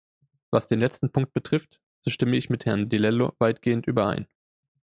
Was den letzten Punkt betrifft, so stimme ich mit Herrn Di Lello weitgehend überein.